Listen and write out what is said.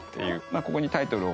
ここにタイトルを書いて。